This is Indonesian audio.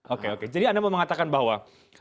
oke oke jadi anda mau mengatakan bahwa